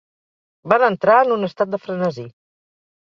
Van entrar en un estat de frenesí.